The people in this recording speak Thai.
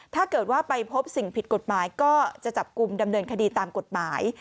ถ้าเกิดว่าไปพบสิ่งผิดกฎหมายก็จะจับกลุ่มดำเนินคดีตามกฎหมาย